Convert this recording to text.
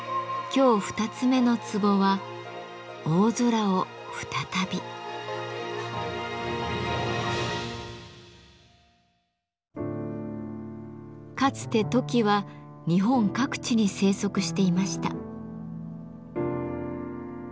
今日二つ目のツボはかつてトキは日本各地に生息していました。